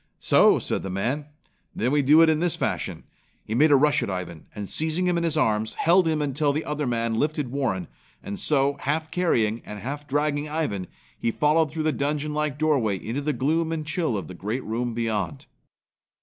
"So!" said the man. "Then we do it in this fashion." He made a rush at Ivan and seizing him in his arms, held him until the other man lifted Warren and so, half carrying and half dragging Ivan, he followed through the dungeon like doorway into the gloom and chill of the great room beyond.